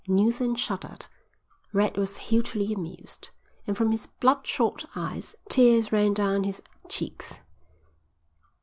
Neilson shuddered. Red was hugely amused, and from his bloodshot eyes tears ran down his cheeks.